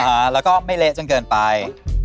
อ่าแล้วก็ไม่เละจนเกินไป